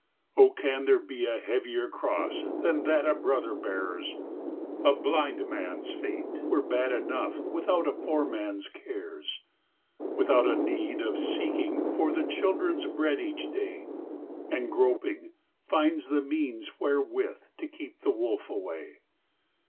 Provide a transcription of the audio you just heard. Oh, can there be a heavier cross Than that a brother bears? A blind man's fate were bad enough Without a poor man's cares ; \V ithout a need of seeking for The children's bread each day, And groping, finds the means wherewith To keep the wolf away.